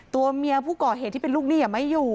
ตัวเมียผู้ก่อเหตุที่เป็นลูกหนี้ไม่อยู่